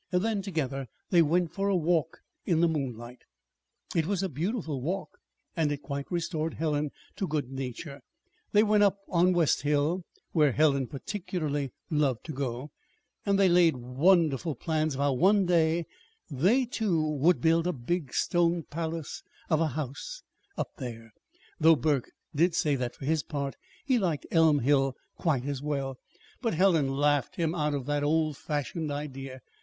Then together they went for a walk in the moonlight. It was a beautiful walk, and it quite restored Helen to good nature. They went up on West Hill (where Helen particularly loved to go), and they laid wonderful plans of how one day they, too, would build a big stone palace of a home up there though Burke did say that, for his part, he liked Elm Hill quite as well; but Helen laughed him out of that "old fashioned idea."